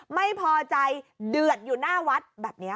ไม่พอใจเดือดอยู่หน้าวัดแบบนี้